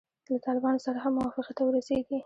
له طالبانو سره هم موافقې ته ورسیږي.